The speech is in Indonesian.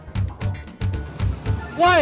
udah mau jatuh amat deh